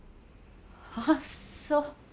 あっそう。